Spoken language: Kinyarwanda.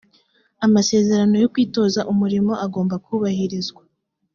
amasezerano yo kwitoza umurimo agomba kubahirizwa